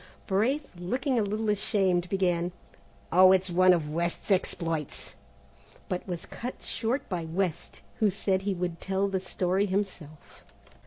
Braith, looking a little ashamed, began, "Oh, it's one of West's exploits," but was cut short by West, who said he would tell the story himself.